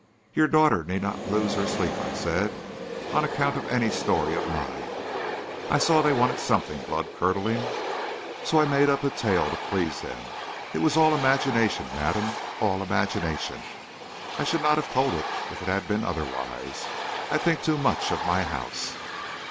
"Your daughter need not lose her sleep," I said, "on account of any story of mine. I saw they wanted something blood curdling, so I made up a tale to please them. It was all imagination, madame; all imagination. I should not have told it if it had been otherwise. I think too much of my house."